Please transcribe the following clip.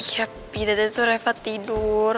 iya tapi tadi tuh reva tidur